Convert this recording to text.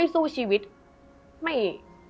สู้ชีวิตไม่